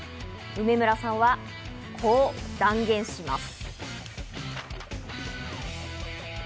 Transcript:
梅村さんはこう断言します。